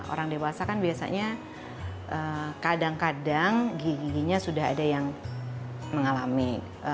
orang dewasa kan biasanya kadang kadang giginya sudah ada yang mengalami